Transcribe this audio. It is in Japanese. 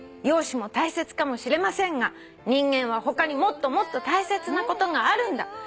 「『容姿も大切かもしれませんが人間は他にもっともっと大切なことがあるんだ』」